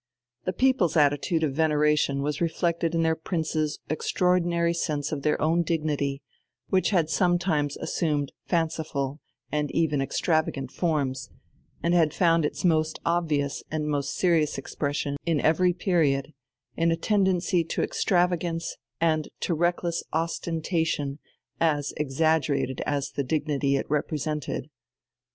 The people's attitude of veneration was reflected in their princes' extraordinary sense of their own dignity, which had sometimes assumed fanciful and even extravagant forms, and had found its most obvious and most serious expression in every period in a tendency to extravagance and to a reckless ostentation as exaggerated as the dignity it represented.